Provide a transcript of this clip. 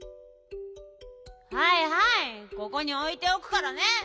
はいはいここにおいておくからね。